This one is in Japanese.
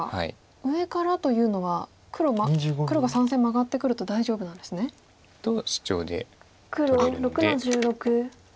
上からというのは黒が３線マガってくると大丈夫なんですね？とシチョウで取れるので。